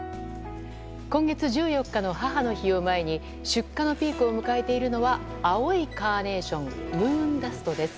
今月１４日の母の日を前に出荷のピークを迎えているのは青いカーネーションムーンダストです。